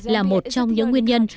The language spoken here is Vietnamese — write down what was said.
là một trong những nguyên nhân